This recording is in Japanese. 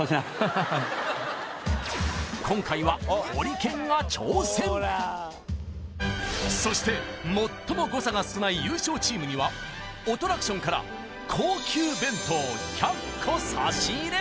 今回はホリケンが挑戦そして最も誤差が少ない優勝チームには「オトラクション」から高級弁当１００個差し入れ